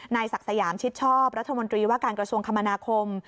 ศักดิ์สยามชิดชอบรัฐมนตรีว่าการกระทรวงคมนาคม